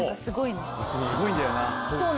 すごいんだよな。